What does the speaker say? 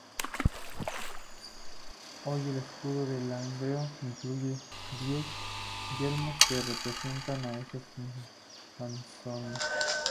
Hoy el escudo de Langreo incluye diez yelmos que representan a esos infanzones.